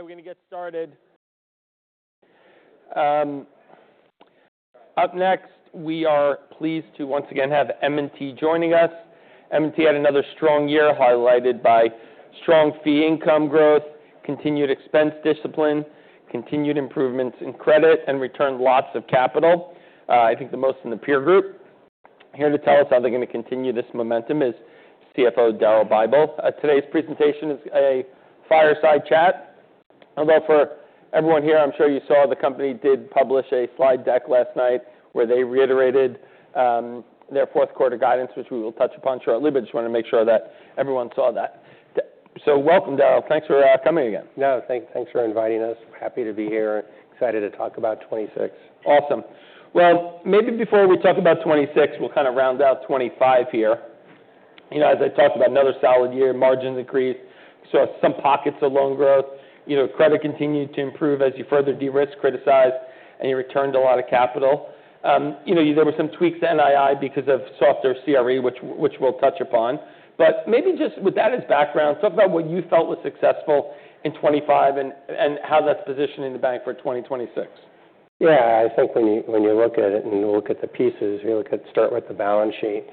All right, we're going to get started. Up next, we are pleased to once again have M&T joining us. M&T had another strong year highlighted by strong fee income growth, continued expense discipline, continued improvements in credit, and returned lots of capital, I think the most in the peer group. Here to tell us how they're going to continue this momentum is CFO Daryl Bible. Today's presentation is a fireside chat. Although for everyone here, I'm sure you saw the company did publish a slide deck last night where they reiterated their fourth quarter guidance, which we will touch upon shortly, but just wanted to make sure that everyone saw that. So welcome, Daryl. Thanks for coming again. No, thanks for inviting us. Happy to be here. Excited to talk about 2026. Awesome. Well, maybe before we talk about 2026, we'll kind of round out 2025 here. As I talked about, another solid year. Margins increased. You saw some pockets of loan growth. Credit continued to improve as you further de-risk, criticize, and you returned a lot of capital. There were some tweaks to NII because of softer CRE, which we'll touch upon. But maybe just with that as background, talk about what you felt was successful in 2025 and how that's positioning the bank for 2026. Yeah, I think when you look at it and look at the pieces, you start with the balance sheet.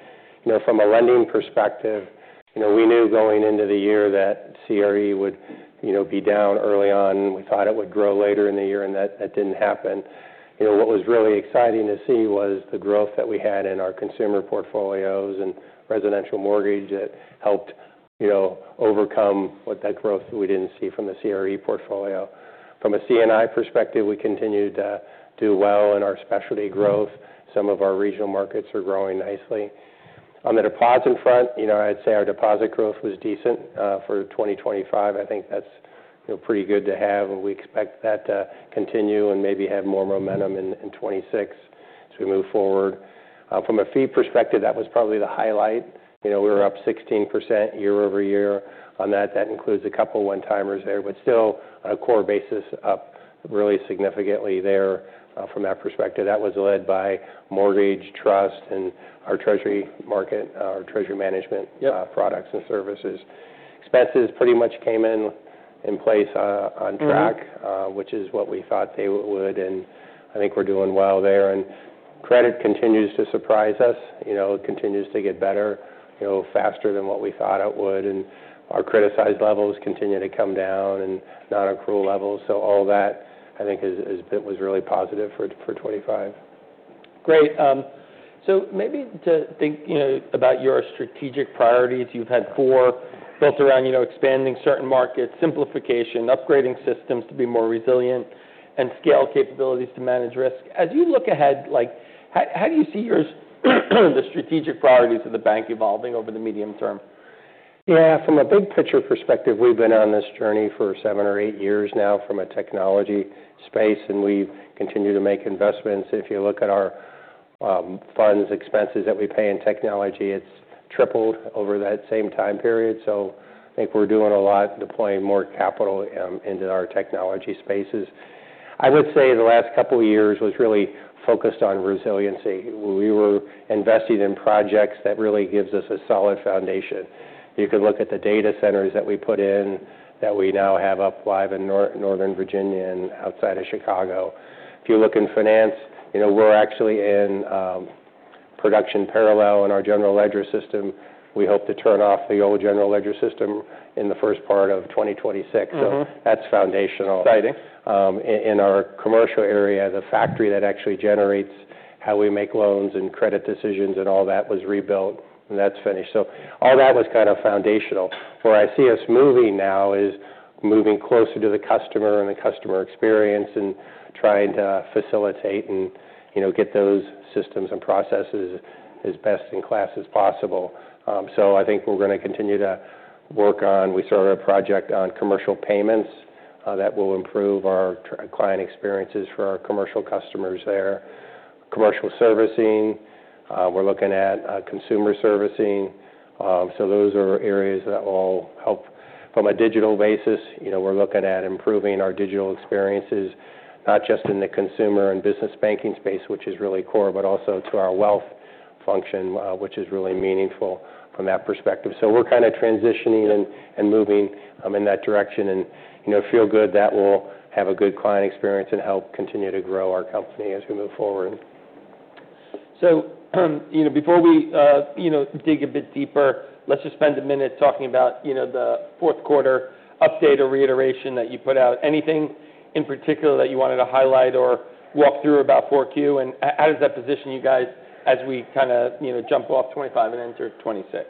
From a lending perspective, we knew going into the year that CRE would be down early on. We thought it would grow later in the year, and that didn't happen. What was really exciting to see was the growth that we had in our consumer portfolios and residential mortgage that helped overcome that growth that we didn't see from the CRE portfolio. From a C&I perspective, we continued to do well in our specialty growth. Some of our regional markets are growing nicely. On the deposit front, I'd say our deposit growth was decent for 2025. I think that's pretty good to have. We expect that to continue and maybe have more momentum in 2026 as we move forward. From a fee perspective, that was probably the highlight. We were up 16% year-over-year on that. That includes a couple of one-timers there, but still on a core basis, up really significantly there from that perspective. That was led by mortgage, trust, and our treasury market, our treasury management products and services. Expenses pretty much came in place on track, which is what we thought they would, and I think we're doing well there. Credit continues to surprise us, it continues to get better, faster than what we thought it would, and our criticized levels continue to come down and non-accrual levels, so all that, I think, was really positive for 2025. Great. So maybe to think about your strategic priorities, you've had four built around expanding certain markets, simplification, upgrading systems to be more resilient, and scale capabilities to manage risk. As you look ahead, how do you see the strategic priorities of the bank evolving over the medium-term? Yeah, from a big picture perspective, we've been on this journey for seven or eight years now from a technology space, and we've continued to make investments. If you look at our funds, expenses that we pay in technology, it's tripled over that same time period. So I think we're doing a lot, deploying more capital into our technology spaces. I would say the last couple of years was really focused on resiliency. We were investing in projects that really give us a solid foundation. You could look at the data centers that we put in that we now have up live in Northern Virginia and outside of Chicago. If you look in finance, we're actually in production parallel in our general ledger system. We hope to turn off the old general ledger system in the first part of 2026. So that's foundational. Exciting. In our commercial area, the factory that actually generates how we make loans and credit decisions and all that was rebuilt, and that's finished. So all that was kind of foundational. Where I see us moving now is moving closer to the customer and the customer experience and trying to facilitate and get those systems and processes as best in class as possible. So I think we're going to continue to work on, we started a project on commercial payments that will improve our client experiences for our commercial customers there. Commercial servicing, we're looking at consumer servicing. So those are areas that will help. From a digital basis, we're looking at improving our digital experiences, not just in the consumer and business banking space, which is really core, but also to our wealth function, which is really meaningful from that perspective. So we're kind of transitioning and moving in that direction. And feel good that we'll have a good client experience and help continue to grow our company as we move forward. So before we dig a bit deeper, let's just spend a minute talking about the fourth quarter update or reiteration that you put out. Anything in particular that you wanted to highlight or walk through about 4Q, and how does that position you guys as we kind of jump off 2025 and enter 2026?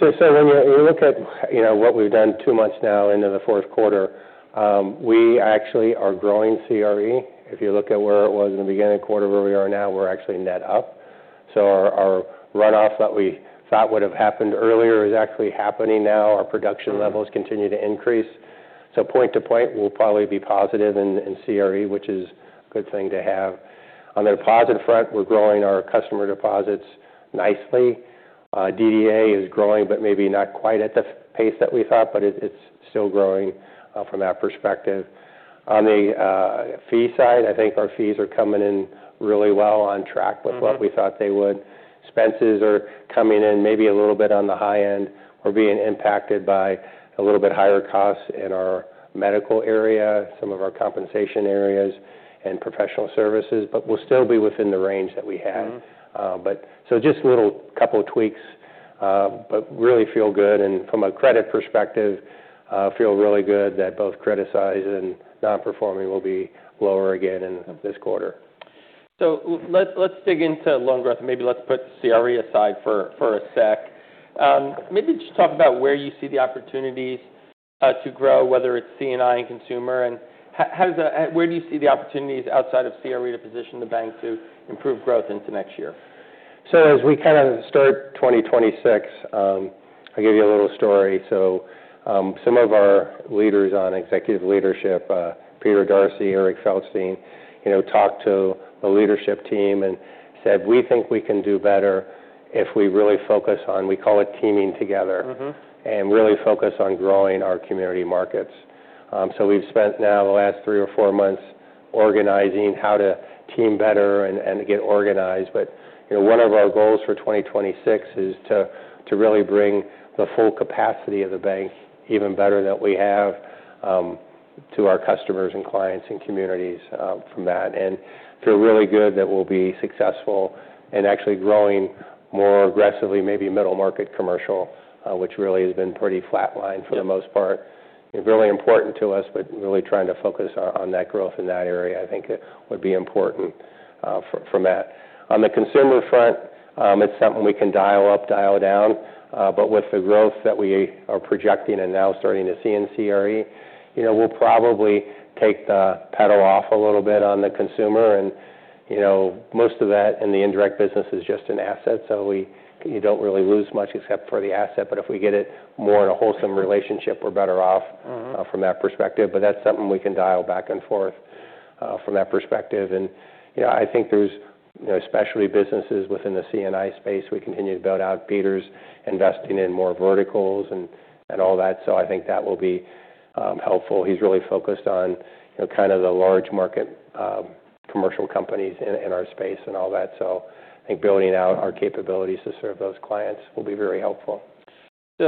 So when you look at what we've done two months now into the fourth quarter, we actually are growing CRE. If you look at where it was in the beginning quarter where we are now, we're actually net up. So our runoff that we thought would have happened earlier is actually happening now. Our production levels continue to increase. So point to point, we'll probably be positive in CRE, which is a good thing to have. On the deposit front, we're growing our customer deposits nicely. DDA is growing, but maybe not quite at the pace that we thought, but it's still growing from that perspective. On the fee side, I think our fees are coming in really well on track with what we thought they would. Expenses are coming in maybe a little bit on the high end or being impacted by a little bit higher costs in our medical area, some of our compensation areas, and professional services, but we'll still be within the range that we had. So just a little couple of tweaks, but really feel good, and from a credit perspective, feel really good that both criticized and non-performing will be lower again in this quarter. So let's dig into loan growth. Maybe let's put CRE aside for a sec. Maybe just talk about where you see the opportunities to grow, whether it's C&I and consumer. And where do you see the opportunities outside of CRE to position the bank to improve growth into next year? So as we kind of start 2026, I'll give you a little story. So some of our leaders on executive leadership, Peter D'Arcy, Eric Feldstein, talked to the leadership team and said, "We think we can do better if we really focus on," we call it teaming together, "and really focus on growing our community markets." So we've spent now the last three or four months organizing how to team better and get organized. But one of our goals for 2026 is to really bring the full capacity of the bank even better that we have to our customers and clients and communities from that. And feel really good that we'll be successful in actually growing more aggressively, maybe middle market commercial, which really has been pretty flatlined for the most part. Really important to us, but really trying to focus on that growth in that area. I think it would be important from that. On the consumer front, it's something we can dial up, dial down, but with the growth that we are projecting and now starting to see in CRE, we'll probably take the pedal off a little bit on the consumer, and most of that in the indirect business is just an asset, so you don't really lose much except for the asset, but if we get it more in a wholesale relationship, we're better off from that perspective, but that's something we can dial back and forth from that perspective. I think there's specialty businesses within the C&I space. We continue to build out Peter's investing in more verticals and all that, so I think that will be helpful. He's really focused on kind of the large market commercial companies in our space and all that, so I think building out our capabilities to serve those clients will be very helpful. As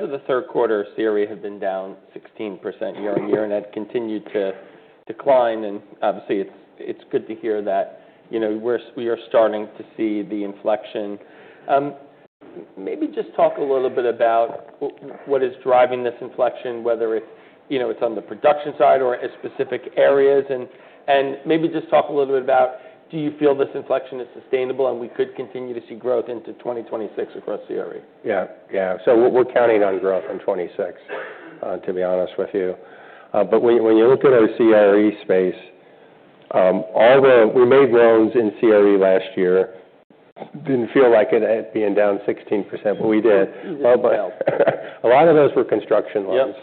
of the third quarter, CRE had been down 16% year-on-year, and that continued to decline. Obviously, it's good to hear that we are starting to see the inflection. Maybe just talk a little bit about what is driving this inflection, whether it's on the production side or specific areas. Maybe just talk a little bit about, do you feel this inflection is sustainable and we could continue to see growth into 2026 across CRE? Yeah. Yeah. So we're counting on growth in 2026, to be honest with you. But when you look at our CRE space, we made loans in CRE last year. Didn't feel like it being down 16%, but we did. A lot of those were construction loans.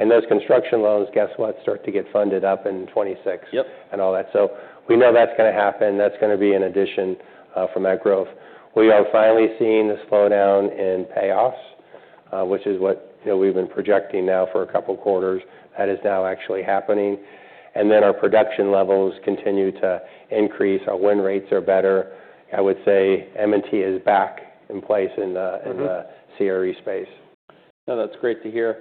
And those construction loans, guess what? Start to get funded up in 2026 and all that. So we know that's going to happen. That's going to be in addition from that growth. We are finally seeing the slowdown in payoffs, which is what we've been projecting now for a couple of quarters. That is now actually happening. And then our production levels continue to increase. Our win rates are better. I would say M&T is back in place in the CRE space. No, that's great to hear.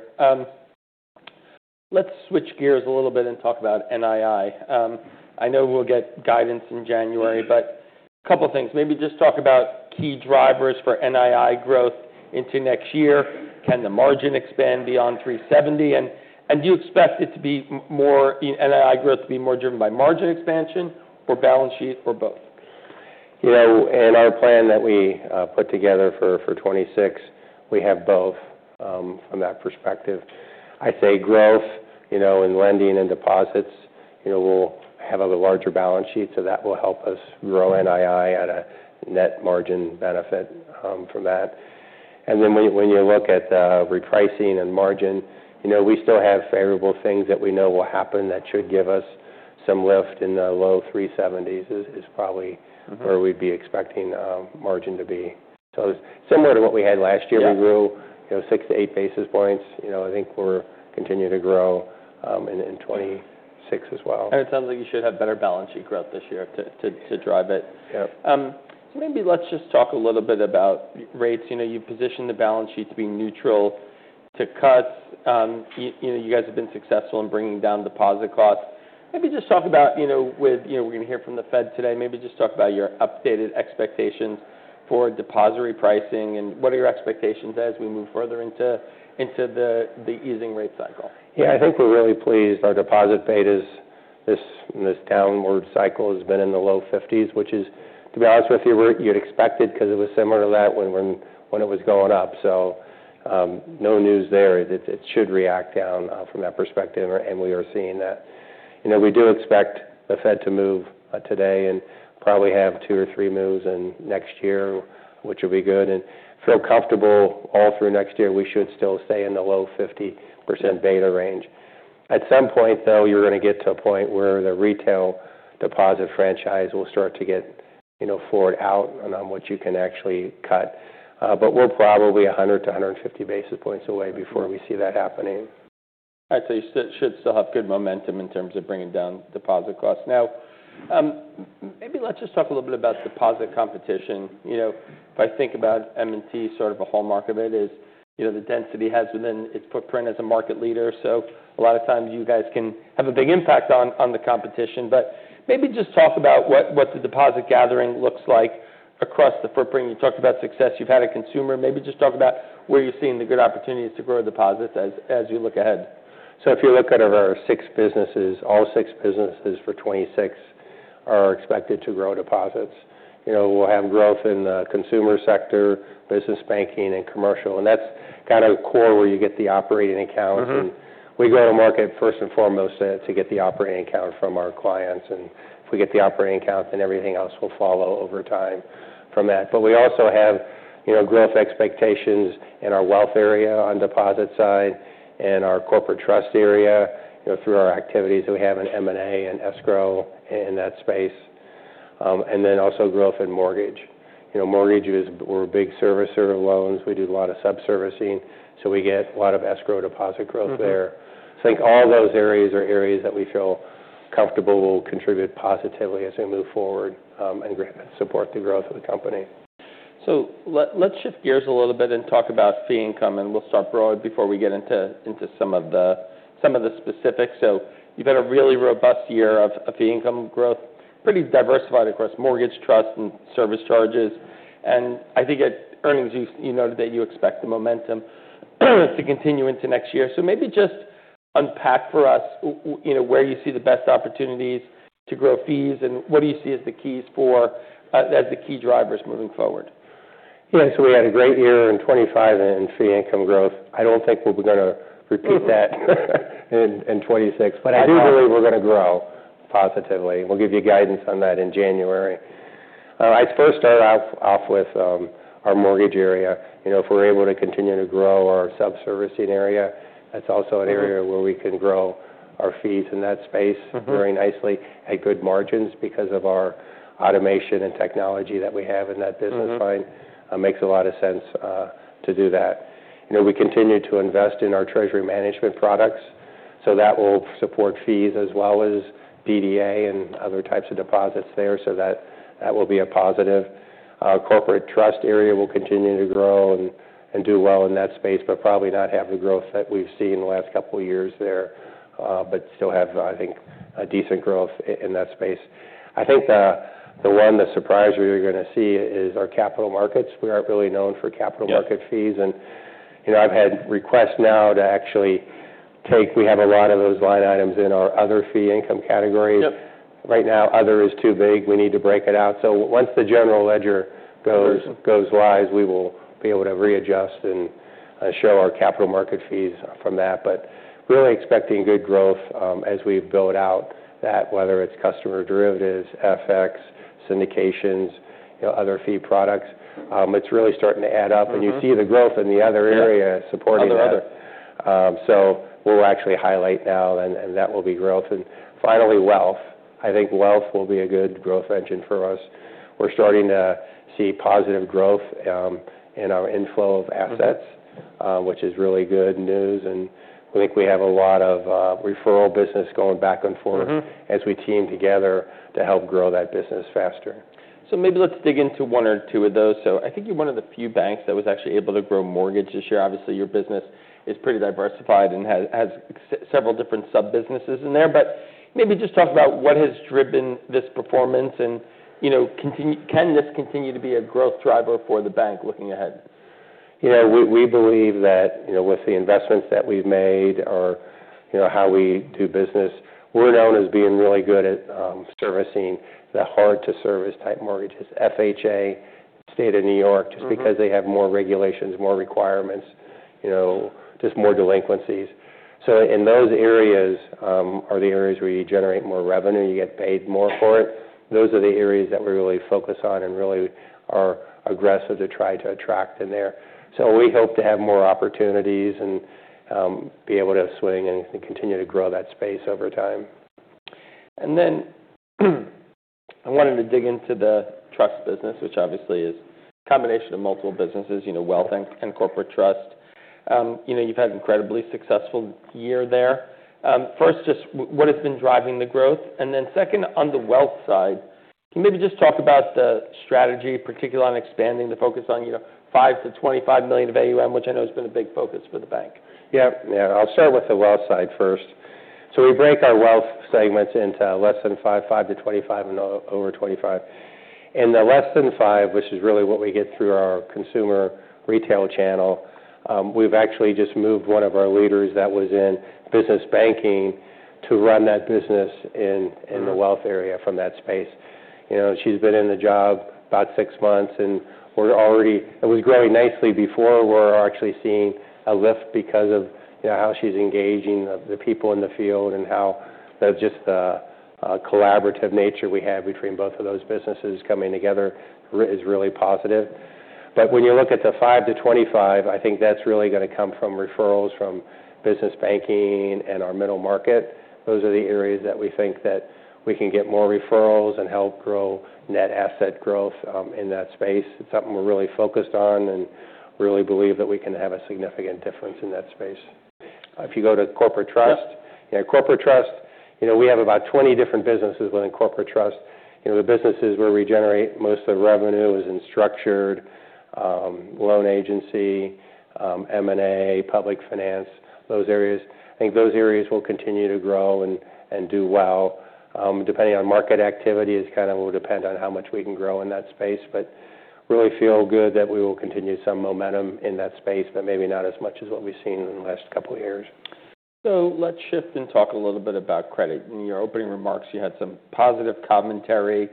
Let's switch gears a little bit and talk about NII. I know we'll get guidance in January, but a couple of things. Maybe just talk about key drivers for NII growth into next year. Can the margin expand beyond 370? And do you expect NII growth to be more driven by margin expansion or balance sheet or both? In our plan that we put together for 2026, we have both from that perspective. I say growth in lending and deposits will have a larger balance sheet, so that will help us grow NII at a net margin benefit from that, and then when you look at repricing and margin, we still have favorable things that we know will happen that should give us some lift in the low 370s. In the low 370s is probably where we'd be expecting margin to be, so similar to what we had last year, we grew six to eight basis points. I think we're continuing to grow in 2026 as well. It sounds like you should have better balance sheet growth this year to drive it. Maybe let's just talk a little bit about rates. You've positioned the balance sheet to be neutral to cuts. You guys have been successful in bringing down deposit costs. Maybe just talk about. We're going to hear from the Fed today. Maybe just talk about your updated expectations for depository pricing and what are your expectations as we move further into the easing rate cycle? Yeah, I think we're really pleased. Our deposit beta in this downward cycle has been in the low 50s, which is, to be honest with you, you'd expected because it was similar to that when it was going up. So no news there. It should react down from that perspective, and we are seeing that. We do expect the Fed to move today and probably have two or three moves in next year, which will be good, and feel comfortable all through next year, we should still stay in the low 50% beta range. At some point, though, you're going to get to a point where the retail deposit franchise will start to get forward out on what you can actually cut. But we're probably 100-150 basis points away before we see that happening. All right. So you should still have good momentum in terms of bringing down deposit costs. Now, maybe let's just talk a little bit about deposit competition. If I think about M&T, sort of a hallmark of it is the density it has within its footprint as a market leader. So a lot of times you guys can have a big impact on the competition. But maybe just talk about what the deposit gathering looks like across the footprint. You talked about success. You've had a consumer. Maybe just talk about where you're seeing the good opportunities to grow deposits as you look ahead. So if you look at our six businesses, all six businesses for 2026 are expected to grow deposits. We'll have growth in the consumer sector, business banking, and commercial. And that's kind of core where you get the operating accounts. And we go to market first and foremost to get the operating account from our clients. And if we get the operating account, then everything else will follow over time from that. But we also have growth expectations in our wealth area on deposit side and our corporate trust area through our activities that we have in M&A and escrow in that space and then also growth in mortgage. Mortgage, we're a big servicer of loans. We do a lot of sub-servicing. So we get a lot of escrow deposit growth there. So I think all those areas are areas that we feel comfortable will contribute positively as we move forward and support the growth of the company. So let's shift gears a little bit and talk about fee income, and we'll start broad before we get into some of the specifics. So you've had a really robust year of fee income growth, pretty diversified across mortgage, trust, and service charges. And I think at earnings, you noted that you expect the momentum to continue into next year. So maybe just unpack for us where you see the best opportunities to grow fees and what do you see as the key drivers moving forward? Yeah, so we had a great year in 2025 in fee income growth. I don't think we'll be going to repeat that in 2026, but I do believe we're going to grow positively, we'll give you guidance on that in January. I'd first start off with our mortgage area. If we're able to continue to grow our sub-servicing area, that's also an area where we can grow our fees in that space very nicely at good margins because of our automation and technology that we have in that business line. It makes a lot of sense to do that. We continue to invest in our treasury management products, so that will support fees as well as DDA and other types of deposits there. So that will be a positive. Corporate trust area will continue to grow and do well in that space, but probably not have the growth that we've seen in the last couple of years there, but still have, I think, a decent growth in that space. I think the one that surprises you, you're going to see, is our capital markets. We aren't really known for capital market fees, and I've had requests now to actually take, we have a lot of those line items in our other fee income categories. Right now, other is too big, we need to break it out. So once the general ledger goes live, we will be able to readjust and show our capital market fees from that, but really expecting good growth as we build out that, whether it's customer-driven, is FX, syndications, other fee products. It's really starting to add up, and you see the growth in the other area supporting other, so we'll actually highlight now, and that will be growth, and finally, wealth. I think wealth will be a good growth engine for us. We're starting to see positive growth in our inflow of assets, which is really good news, and I think we have a lot of referral business going back and forth as we team together to help grow that business faster. So maybe let's dig into one or two of those. So I think you're one of the few banks that was actually able to grow mortgage this year. Obviously, your business is pretty diversified and has several different sub-businesses in there. But maybe just talk about what has driven this performance, and can this continue to be a growth driver for the bank looking ahead? Yeah. We believe that with the investments that we've made or how we do business, we're known as being really good at servicing the hard-to-service type mortgages, FHA, State of New York, just because they have more regulations, more requirements, just more delinquencies, so in those areas are the areas where you generate more revenue. You get paid more for it. Those are the areas that we really focus on and really are aggressive to try to attract in there, so we hope to have more opportunities and be able to swing and continue to grow that space over time. And then I wanted to dig into the trust business, which obviously is a combination of multiple businesses, wealth and corporate trust. You've had an incredibly successful year there. First, just what has been driving the growth? And then second, on the wealth side, can you maybe just talk about the strategy, particularly on expanding the focus on $5 million-$25 million of AUM, which I know has been a big focus for the bank? Yeah. Yeah. I'll start with the wealth side first. So we break our wealth segments into less than $5 million-$25 million, and over $25 million. In the less than $5 million, which is really what we get through our consumer retail channel, we've actually just moved one of our leaders that was in business banking to run that business in the wealth area from that space. She's been in the job about six months, and it was growing nicely before. We're actually seeing a lift because of how she's engaging the people in the field and how just the collaborative nature we have between both of those businesses coming together is really positive. But when you look at the $5 million-$25 million, I think that's really going to come from referrals from business banking and our middle market. Those are the areas that we think that we can get more referrals and help grow net asset growth in that space. It's something we're really focused on and really believe that we can have a significant difference in that space. If you go to corporate trust, corporate trust, we have about 20 different businesses within corporate trust. The businesses where we generate most of the revenue is in structured loan agency, M&A, public finance, those areas. I think those areas will continue to grow and do well. Depending on market activity, it kind of will depend on how much we can grow in that space, but really feel good that we will continue some momentum in that space, but maybe not as much as what we've seen in the last couple of years. So let's shift and talk a little bit about credit. In your opening remarks, you had some positive commentary.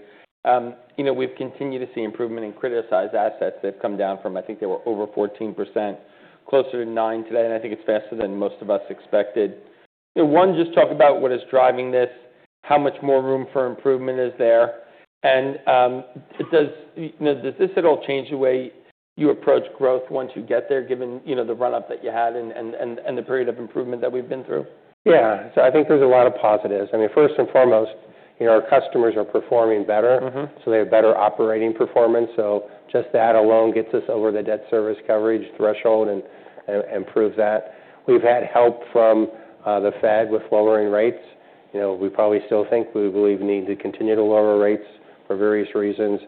We've continued to see improvement in criticized assets. They've come down from, I think they were over 14%, closer to 9% today, and I think it's faster than most of us expected. One, just talk about what is driving this, how much more room for improvement is there. And does this at all change the way you approach growth once you get there, given the run-up that you had and the period of improvement that we've been through? Yeah. So I think there's a lot of positives. I mean, first and foremost, our customers are performing better, so they have better operating performance. So just that alone gets us over the debt service coverage threshold and improves that. We've had help from the Fed with lowering rates. We probably still think we believe we need to continue to lower rates for various reasons,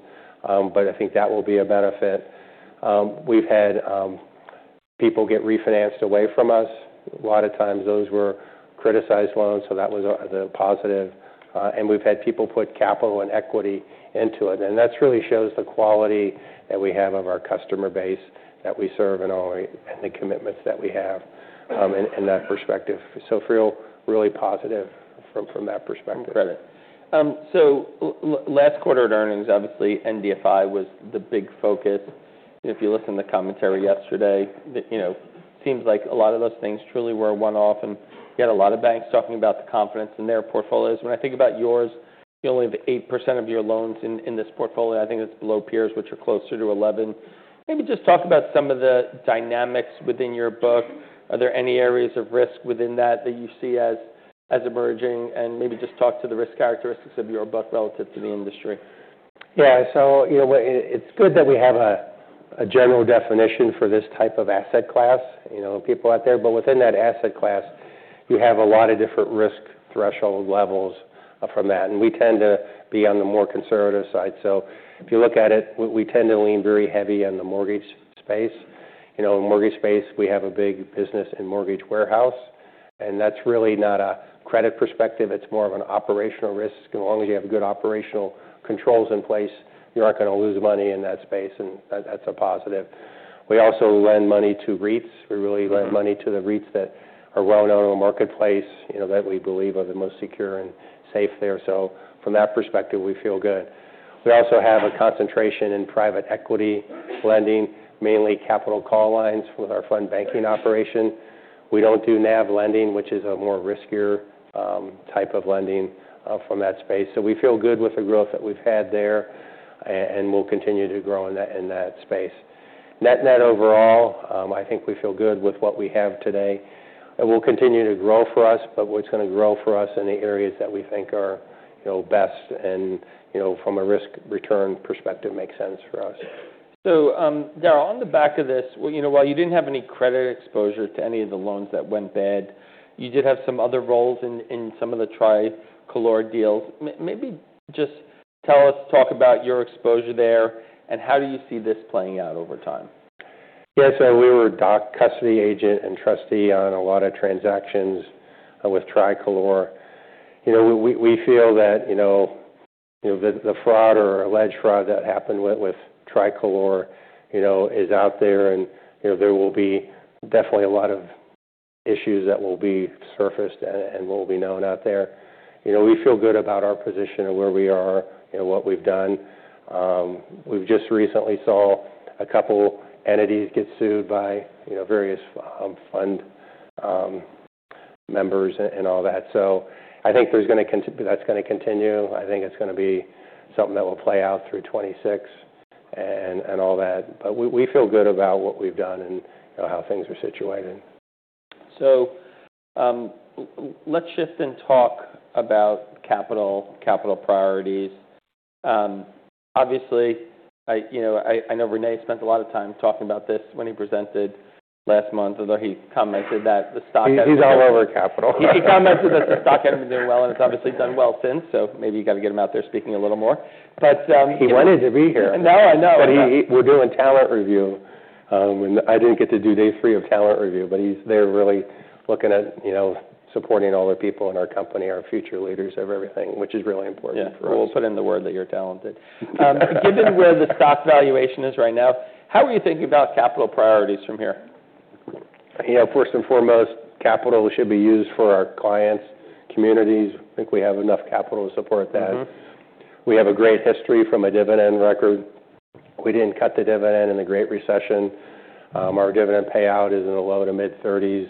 but I think that will be a benefit. We've had people get refinanced away from us. A lot of times those were criticized loans, so that was the positive. And we've had people put capital and equity into it. And that really shows the quality that we have of our customer base that we serve and the commitments that we have in that perspective. So feel really positive from that perspective. So last quarter earnings, obviously, NDFI was the big focus. If you listen to the commentary yesterday, it seems like a lot of those things truly were one-off, and you had a lot of banks talking about the confidence in their portfolios. When I think about yours, you only have 8% of your loans in this portfolio. I think it's below peers, which are closer to 11%. Maybe just talk about some of the dynamics within your book. Are there any areas of risk within that that you see as emerging? And maybe just talk to the risk characteristics of your book relative to the industry. Yeah, so it's good that we have a general definition for this type of asset class, people out there, but within that asset class, you have a lot of different risk threshold levels from that, and we tend to be on the more conservative side, so if you look at it, we tend to lean very heavy on the mortgage space. In the mortgage space, we have a big business in mortgage warehouse, and that's really not a credit perspective. It's more of an operational risk. As long as you have good operational controls in place, you're not going to lose money in that space, and that's a positive. We also lend money to REITs. We really lend money to the REITs that are well known in the marketplace that we believe are the most secure and safe there, so from that perspective, we feel good. We also have a concentration in private equity lending, mainly capital call lines with our fund banking operation. We don't do NAV lending, which is a more riskier type of lending from that space. So we feel good with the growth that we've had there and will continue to grow in that space. Net-net overall, I think we feel good with what we have today. It will continue to grow for us, but it's going to grow for us in the areas that we think are best and from a risk-return perspective make sense for us. So, Daryl, on the back of this, while you didn't have any credit exposure to any of the loans that went bad, you did have some other roles in some of the Tricolor deals. Maybe just tell us, talk about your exposure there and how do you see this playing out over time. Yeah. So we were a custody agent and trustee on a lot of transactions with Tricolor. We feel that the fraud or alleged fraud that happened with Tricolor is out there, and there will be definitely a lot of issues that will be surfaced and will be known out there. We feel good about our position and where we are, what we've done. We've just recently saw a couple of entities get sued by various fund members and all that. So I think that's going to continue. I think it's going to be something that will play out through 2026 and all that. But we feel good about what we've done and how things are situated. So let's shift and talk about capital, capital priorities. Obviously, I know René spent a lot of time talking about this when he presented last month, although he commented that the stock. He's all over capital. He commented that the stock hadn't been doing well, and it's obviously done well since. So maybe you got to get him out there speaking a little more. He wanted to be here. No, I know. But we're doing talent review. I didn't get to do day three of talent review, but he's there really looking at supporting all the people in our company, our future leaders of everything, which is really important for us. Yeah. We'll put in the word that you're talented. Given where the stock valuation is right now, how are you thinking about capital priorities from here? First and foremost, capital should be used for our clients, communities. I think we have enough capital to support that. We have a great history from a dividend record. We didn't cut the dividend in the Great Recession. Our dividend payout is in the low to mid-30s.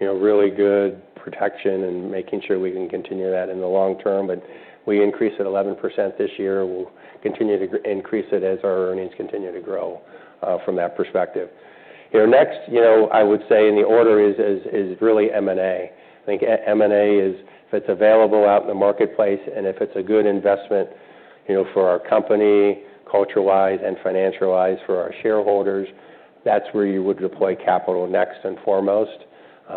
Really good protection and making sure we can continue that in the long-term. But we increased it 11% this year. We'll continue to increase it as our earnings continue to grow from that perspective. Next, I would say in the order is really M&A. I think M&A is, if it's available out in the marketplace and if it's a good investment for our company, culture-wise and financial-wise for our shareholders, that's where you would deploy capital next and foremost.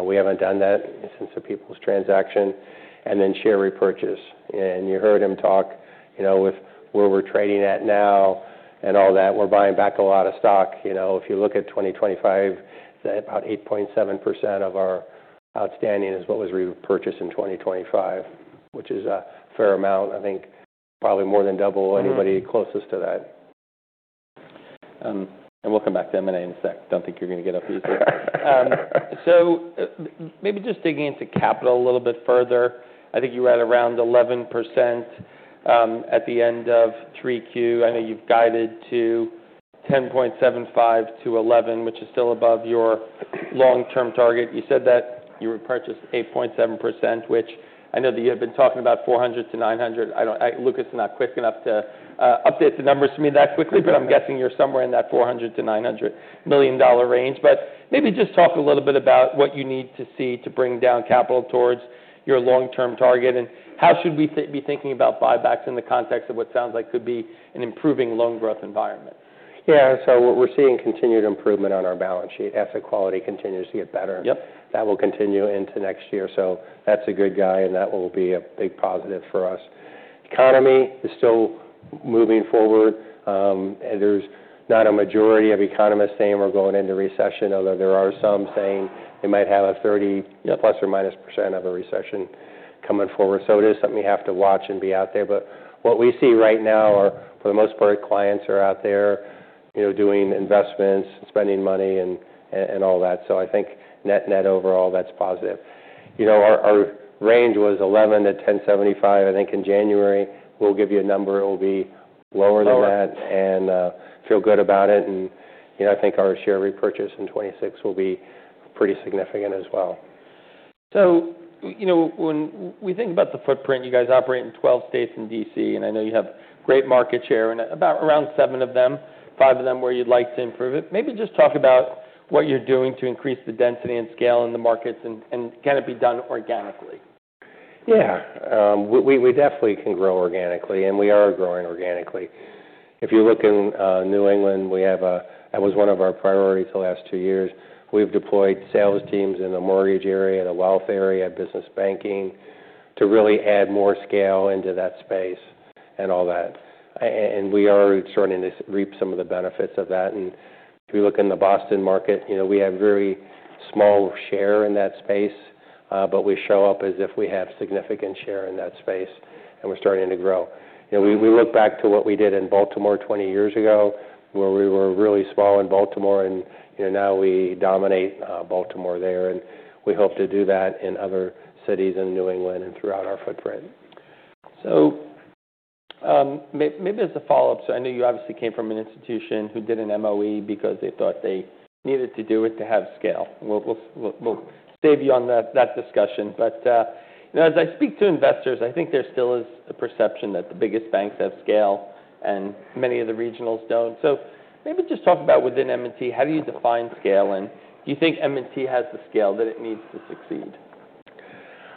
We haven't done that since the People's United transaction and then share repurchase. And you heard him talk with where we're trading at now and all that. We're buying back a lot of stock. If you look at 2025, about 8.7% of our outstanding is what was repurchased in 2025, which is a fair amount. I think probably more than double anybody closest to that. And we'll come back to M&A in a sec. Don't think you're going to get up easy. So maybe just digging into capital a little bit further. I think you were at around 11% at the end of 3Q. I know you've guided to 10.75%-11%, which is still above your long-term target. You said that you repurchased 8.7%, which I know that you have been talking about $400 million-$900 million. Lucas is not quick enough to update the numbers for me that quickly, but I'm guessing you're somewhere in that $400 million-$900 million dollar range. But maybe just talk a little bit about what you need to see to bring down capital towards your long-term target, and how should we be thinking about buybacks in the context of what sounds like could be an improving loan growth environment? Yeah. So we're seeing continued improvement on our balance sheet. Asset quality continues to get better. That will continue into next year. So that's a good guy, and that will be a big positive for us. Economy is still moving forward. There's not a majority of economists saying we're going into recession, although there are some saying they might have a 30% plus or minus of a recession coming forward. So it is something you have to watch and be out there. But what we see right now are, for the most part, clients are out there doing investments, spending money, and all that, so I think net-net overall, that's positive. Our range was [11-10.75], I think, in January. We'll give you a number. It will be lower than that and feel good about it. I think our share repurchase in 2026 will be pretty significant as well. So when we think about the footprint, you guys operate in 12 states and D.C., and I know you have great market share in around seven of them, five of them where you'd like to improve it. Maybe just talk about what you're doing to increase the density and scale in the markets, and can it be done organically? Yeah. We definitely can grow organically, and we are growing organically. If you look in New England, that was one of our priorities the last two years. We've deployed sales teams in the mortgage area, the wealth area, business banking to really add more scale into that space and all that. And we are starting to reap some of the benefits of that. And if you look in the Boston market, we have a very small share in that space, but we show up as if we have significant share in that space, and we're starting to grow. We look back to what we did in Baltimore 20 years ago, where we were really small in Baltimore, and now we dominate Baltimore there. And we hope to do that in other cities in New England and throughout our footprint. So maybe as a follow-up, so I know you obviously came from an institution who did an MOE because they thought they needed to do it to have scale. We'll save you on that discussion. But as I speak to investors, I think there still is a perception that the biggest banks have scale, and many of the regionals don't. So maybe just talk about within M&T, how do you define scale? Do you think M&T has the scale that it needs to succeed?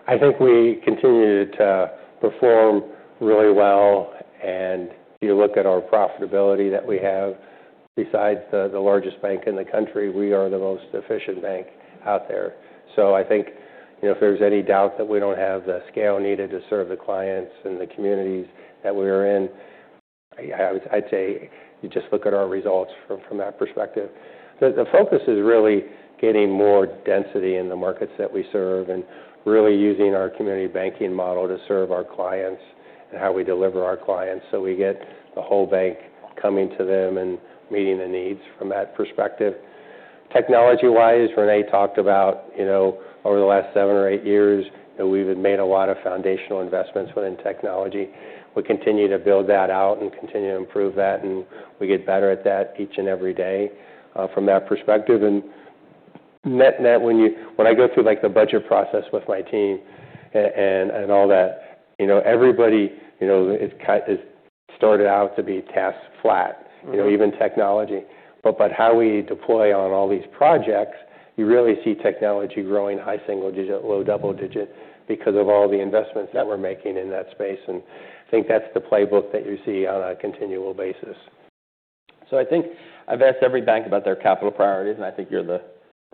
I think we continue to perform really well, and if you look at our profitability that we have, besides the largest bank in the country, we are the most efficient bank out there, so I think if there's any doubt that we don't have the scale needed to serve the clients and the communities that we are in, I'd say you just look at our results from that perspective. The focus is really getting more density in the markets that we serve and really using our community banking model to serve our clients and how we deliver our clients, so we get the whole bank coming to them and meeting the needs from that perspective. Technology-wise, René talked about over the last seven or eight years, we've made a lot of foundational investments within technology. We continue to build that out and continue to improve that, and we get better at that each and every day from that perspective. And net-net, when I go through the budget process with my team and all that, everybody is started out to be tasked flat, even technology. But how we deploy on all these projects, you really see technology growing high single digit, low double digit because of all the investments that we're making in that space. And I think that's the playbook that you see on a continual basis. So, I think I've asked every bank about their capital priorities, and I think you're the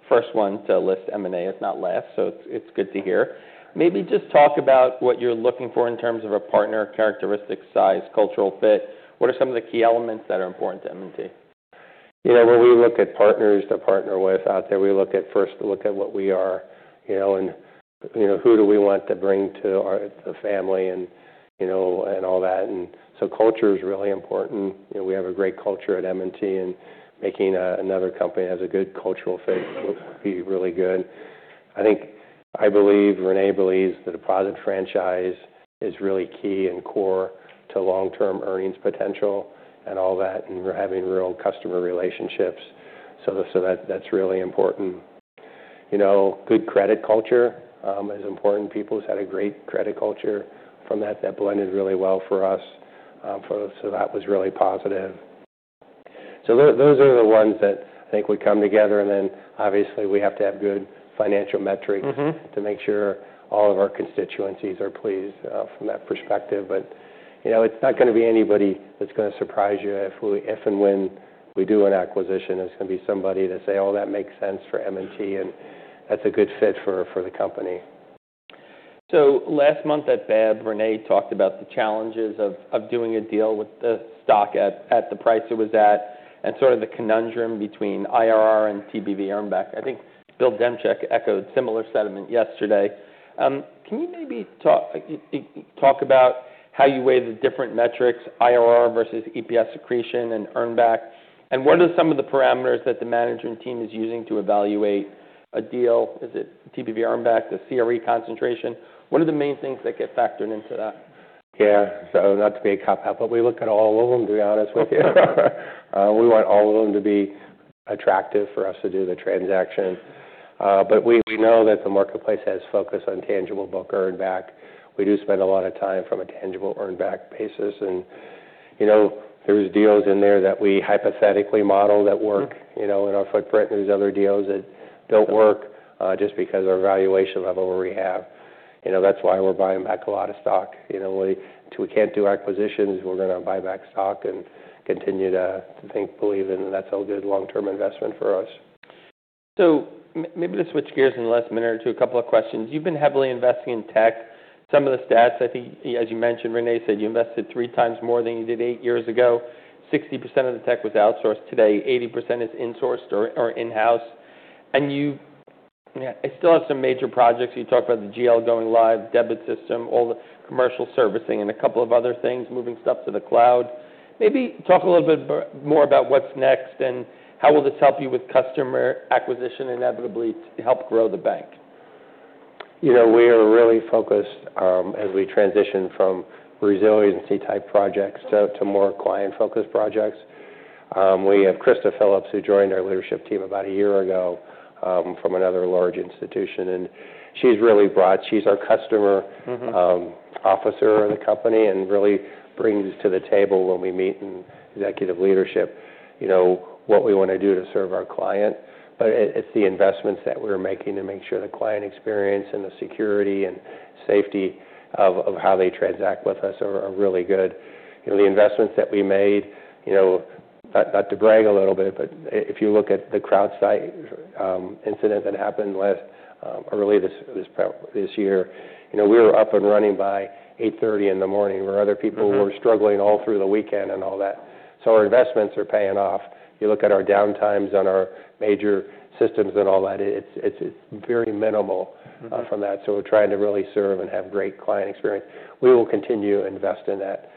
first one to list M&A, if not last, so, it's good to hear. Maybe just talk about what you're looking for in terms of a partner, characteristics, size, cultural fit. What are some of the key elements that are important to M&T? When we look at partners to partner with out there, we look at first, look at what we are and who do we want to bring to the family and all that. And so culture is really important. We have a great culture at M&T, and making another company that has a good cultural fit would be really good. I believe René believes the deposit franchise is really key and core to long-term earnings potential and all that, and we're having real customer relationships. So that's really important. Good credit culture is important. People who've had a great credit culture from that, that blended really well for us. So that was really positive. So those are the ones that I think would come together and then obviously, we have to have good financial metrics to make sure all of our constituencies are pleased from that perspective. But it's not going to be anybody that's going to surprise you if and when we do an acquisition. It's going to be somebody that say, "Oh, that makes sense for M&T, and that's a good fit for the company." So last month at BAAB, René talked about the challenges of doing a deal with the stock at the price it was at and sort of the conundrum between IRR and TBV earnback. I think Bill Demchak echoed similar sentiment yesterday. Can you maybe talk about how you weigh the different metrics, IRR versus EPS accretion and earnback? And what are some of the parameters that the management team is using to evaluate a deal? Is it TBV earnback, the CRE concentration? What are the main things that get factored into that? Yeah, so not to be a cop-out, but we look at all of them, to be honest with you. We want all of them to be attractive for us to do the transaction, but we know that the marketplace has focus on tangible book earnback. We do spend a lot of time from a tangible earnback basis. There are deals in there that we hypothetically model that work in our footprint, and there are other deals that don't work just because of our valuation level where we have. That's why we're buying back a lot of stock. We can't do acquisitions. We're going to buy back stock and continue to believe that that's a good long-term investment for us. So maybe to switch gears in the last minute or two, a couple of questions. You've been heavily investing in tech. Some of the stats, I think, as you mentioned, René said you invested three times more than you did eight years ago. 60% of the tech was outsourced. Today, 80% is insourced or in-house. I still have some major projects. You talked about the GL going live, debit system, all the commercial servicing, and a couple of other things, moving stuff to the cloud. Maybe talk a little bit more about what's next and how will this help you with customer acquisition inevitably to help grow the bank? We are really focused as we transition from resiliency-type projects to more client-focused projects. We have Krista Phillips, who joined our leadership team about a year ago from another large institution, and she's really brought, she's our customer officer of the company and really brings to the table when we meet executive leadership what we want to do to serve our client, but it's the investments that we're making to make sure the client experience and the security and safety of how they transact with us are really good. The investments that we made, not to brag a little bit, but if you look at the CrowdStrike incident that happened early this year, we were up and running by 8:30 A.M. where other people were struggling all through the weekend and all that, so our investments are paying off. You look at our downtimes on our major systems and all that. It's very minimal from that. So we're trying to really serve and have great client experience. We will continue to invest in that.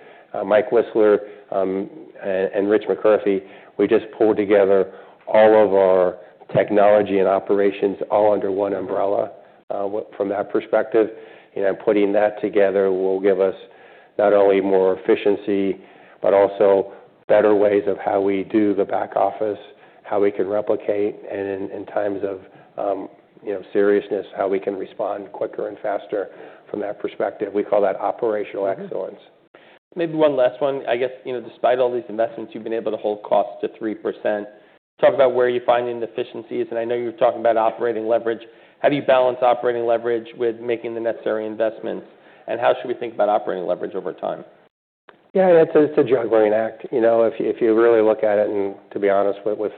Mike Wisler and Rich McCarthy, we just pulled together all of our technology and operations all under one umbrella from that perspective, and putting that together will give us not only more efficiency, but also better ways of how we do the back office, how we can replicate, and in times of seriousness, how we can respond quicker and faster from that perspective. We call that operational excellence. Maybe one last one. Despite all these investments, you've been able to hold costs to 3%. Talk about where you find inefficiencies, and I know you were talking about operating leverage. How do you balance operating leverage with making the necessary investments? And how should we think about operating leverage over time? Yeah. It's a juggling act. If you really look at it, and to be honest with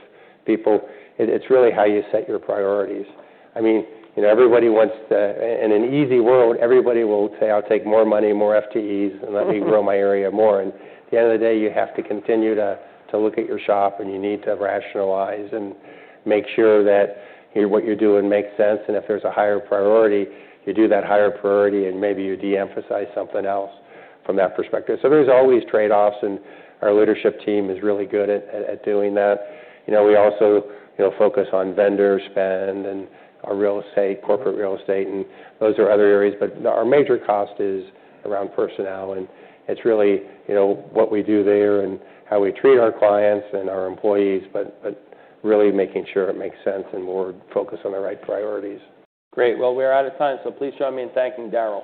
people, it's really how you set your priorities. I mean, in an easy world, everybody will say, "I'll take more money, more FTEs, and let me grow my area more." And at the end of the day, you have to continue to look at your shop, and you need to rationalize and make sure that what you're doing makes sense. And if there's a higher priority, you do that higher priority, and maybe you de-emphasize something else from that perspective. So there's always trade-offs, and our leadership team is really good at doing that. We also focus on vendor spend and our real estate, corporate real estate. And those are other areas. But our major cost is around personnel, and it's really what we do there and how we treat our clients and our employees, but really making sure it makes sense and we're focused on the right priorities. Great. Well, we are out of time, so please join me in thanking Daryl.